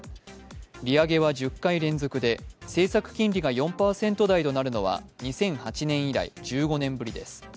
利上げは１０回連続で政策金利が４％台となるのは２００８年以来、１５年ぶりです。